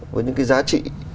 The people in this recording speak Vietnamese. với những cái giá trị